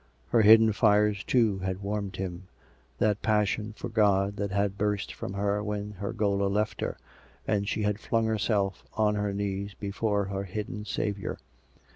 Her hidden fires, too, had warmed him — that passion for God that had burst from her when her gaoler left her, and she had flung herself on her knees before her hidden Saviour.